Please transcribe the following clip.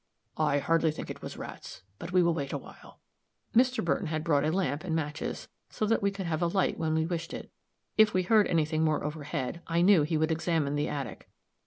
"I hardly think it was rats; but we will wait a while." Mr. Burton had brought a lamp and matches, so that we could have a light when we wished it; if we heard any thing more overhead, I knew he would examine the attic.